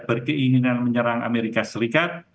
berkeinginan menyerang amerika serikat